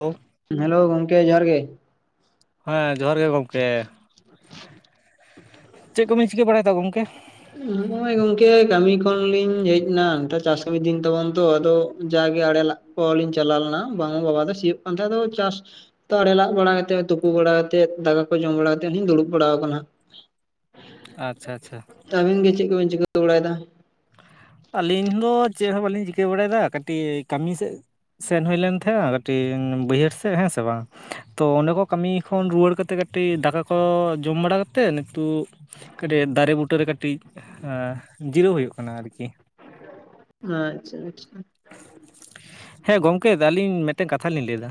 ᱳᱵ hello ᱜᱚᱝᱠᱮ ᱡᱚᱦᱟᱨ ᱜᱮ᱾ ᱦᱮᱸ ᱡᱚᱦᱟᱨ ᱜᱮ ᱜᱚᱝᱠᱮ ᱪᱮᱫ ᱠᱚ ᱵᱤᱱ ᱪᱤᱠᱟᱹ ᱵᱟᱲᱟᱭ ᱫᱟ ᱜᱚᱝᱠᱮ ᱱᱚᱜᱼᱚᱭ ᱜᱚᱝᱠᱮ ᱠᱟᱹᱢᱤ ᱠᱷᱚᱱ ᱞᱤᱧ ᱦᱮᱡ ᱮᱱᱟ ᱱᱮᱛᱟᱨ ᱪᱟᱥ ᱠᱟᱹᱢᱤᱫᱤᱱ ᱛᱟᱵᱚᱱ ᱛᱚ ᱟᱫᱚ ᱡᱟᱜᱮ ᱟᱲᱮ ᱞᱟᱜ [unintelligible] ᱤᱧ ᱪᱟᱞᱟᱣ ᱞᱮᱱᱟ ᱵᱟᱝ ᱵᱟᱵᱟ ᱫᱚ ᱥᱤᱭᱩᱜ ᱠᱟᱱ ᱛᱮ ᱪᱟᱥ ᱛᱚ ᱟᱲᱮ ᱞᱟᱜ ᱵᱟᱲᱟ ᱠᱟᱛᱮ ᱛᱩᱯᱩ ᱵᱟᱲᱟ ᱠᱟᱛᱮᱫ ᱫᱟᱠᱟ ᱠᱚ ᱡᱚᱢ ᱵᱟᱲᱟ ᱠᱟᱛᱮᱫ ᱞᱤᱧ ᱫᱩᱲᱩᱵ ᱵᱟᱲᱟ ᱟᱠᱟᱱᱟ ᱟᱪᱪᱷᱟ ᱪᱷᱟ ᱟᱹᱵᱤᱱ ᱜᱮ ᱪᱮᱫ ᱠᱚ ᱵᱤᱱ ᱪᱤᱠᱟᱹ ᱵᱟᱲᱟᱭ ᱫᱟ ᱟᱹᱞᱤᱧ ᱫᱚ ᱪᱮᱫ ᱦᱚᱸ ᱵᱟᱹᱞᱤᱧ ᱪᱤᱠᱟᱹ ᱵᱟᱲᱟᱭ ᱫᱟ ᱠᱟᱹᱴᱤᱡ ᱠᱟᱹᱢᱤ ᱥᱮᱫ ᱥᱮᱱ ᱦᱩᱭ ᱞᱮᱱ ᱛᱟᱦᱮᱸᱜᱼᱟ ᱠᱟᱹᱴᱤᱡ ᱵᱟᱹᱭᱦᱟᱹᱲ ᱥᱮᱫ ᱦᱮᱸ ᱥᱮ ᱵᱟᱝ ᱛᱚ ᱚᱸᱰᱮ ᱠᱚ ᱠᱟᱹᱢᱤ ᱠᱷᱚᱱ ᱨᱩᱣᱟᱹᱲ ᱠᱟᱛᱮᱫ ᱠᱟᱹᱴᱤᱡ ᱫᱟᱠᱟ ᱠᱚ ᱡᱚᱢ ᱵᱟᱲᱟ ᱠᱟᱛᱮᱫ ᱱᱤᱛᱩᱜ ᱠᱟᱹᱴᱤᱡ ᱫᱟᱨᱮ ᱵᱩᱴᱟᱹᱨᱮ ᱠᱟᱹᱴᱤᱡ ᱡᱤᱨᱟᱹᱣ ᱦᱩᱭᱩᱜ ᱠᱟᱱᱟ ᱟᱨᱠᱤ ᱟᱪᱪᱷᱟ ᱟᱪᱪᱷᱟ ᱦᱮᱸ ᱜᱚᱝᱠᱮ ᱟᱹᱞᱤᱧ ᱢᱤᱫ ᱴᱮᱱ ᱠᱟᱛᱷᱟ ᱞᱤᱧ ᱞᱟᱹᱭ ᱫᱟ